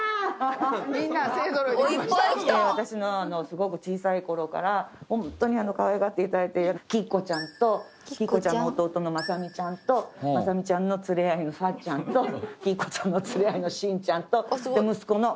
私のすごく小さいころからホントにかわいがっていただいてる起久子ちゃんと起久子ちゃんの弟の雅巳ちゃんと雅巳ちゃんの連れ合いのさっちゃんと起久子ちゃんの連れ合いのしんちゃんとで息子の。